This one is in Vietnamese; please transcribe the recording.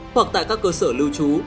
hoặc tại các cơ sở lưu trú